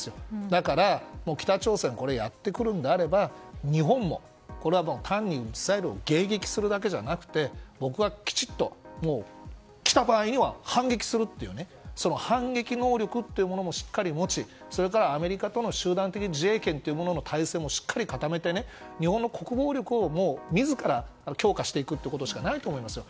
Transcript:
だから、北朝鮮はこれをやってくるのであれば日本も、単にミサイルを迎撃するだけじゃなくて僕は、きちっと来た場合には反撃するという反撃能力もしっかり持ちそれから、アメリカとの集団的自衛権の体制もしっかり固めて日本の国防力を自ら強化していくことしかないと思いますよ。